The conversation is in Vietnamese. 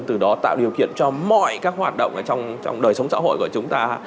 từ đó tạo điều kiện cho mọi các hoạt động trong đời sống xã hội của chúng ta